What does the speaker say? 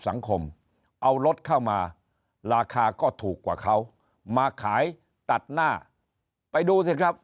สังคมเอารถเข้ามาราคาก็ถูกกว่าเขามาขายตัดหน้าไปดูสิครับ